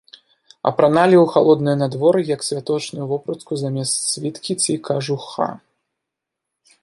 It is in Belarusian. Апраналі ў халоднае надвор'е як святочную вопратку замест світкі ці кажуха.